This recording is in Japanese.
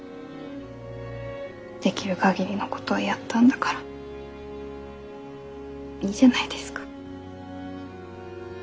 できるかぎりのことをやったんだからいいじゃないですか。